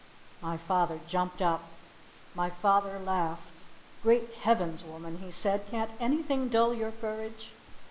My father jumped up. My father laughed. "Great Heavens, woman!" he said. "Can't anything dull your courage?"